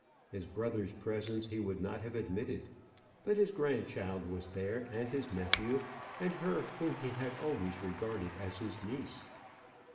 His brother's presence he would not have admitted; but his grandchild was there, and his nephew, and her whom he had always regarded as his niece.